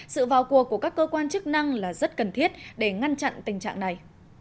sự vào cuộc của các cơ quan chức năng là rất cần thiết để ngăn chặn tình trạng này